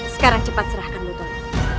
sekarang cepat serahkanmu tony